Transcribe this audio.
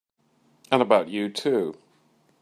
And about you too!